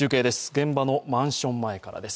現場のマンション前からです。